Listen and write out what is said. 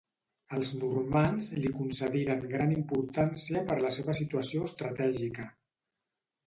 Els normands li concediren gran importància per la seva situació estratègica.